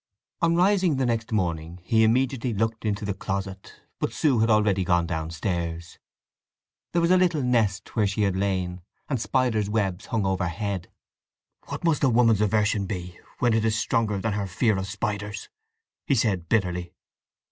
On rising the next morning he immediately looked into the closet, but Sue had already gone downstairs. There was a little nest where she had lain, and spiders' webs hung overhead. "What must a woman's aversion be when it is stronger than her fear of spiders!" he said bitterly.